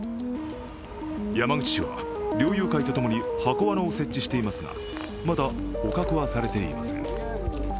山口市は猟友会とともに箱わなを設置していますがまだ捕獲はされていません。